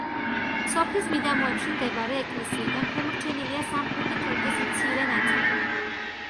სოფლის მიდამოებში მდებარე ეკლესიიდან შემორჩენილია სამხრეთი კედლის მცირე ნაწილი.